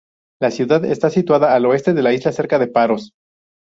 La ciudad está situada al oeste de la isla, cerca de Paros.